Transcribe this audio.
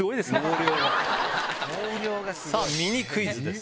さぁミニクイズです。